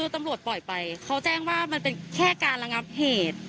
ตำรวจปล่อยไปเขาแจ้งว่ามันเป็นแค่การระงับเหตุ